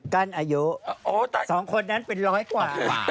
กั้นอายุ๒คนนั้นเป็นร้อยกว่า